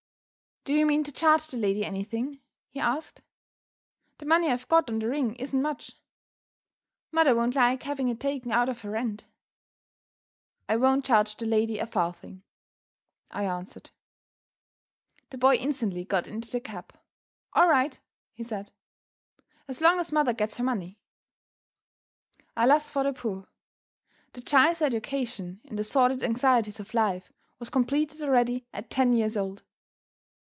"Do you mean to charge the lady anything?" he asked. "The money I've got on the ring isn't much. Mother won't like having it taken out of her rent." "I won't charge the lady a farthing," I answered. The boy instantly got into the cab. "All right," he said, "as long as mother gets her money." Alas for the poor! The child's education in the sordid anxieties of life was completed already at ten years old!